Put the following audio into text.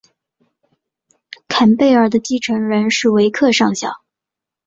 坎贝尔的继承人是维克上校。